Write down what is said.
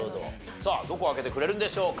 さあどこを開けてくれるんでしょうか？